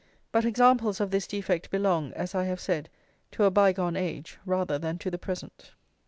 But examples of this defect belong, as I have said, to a bygone age rather than to the present.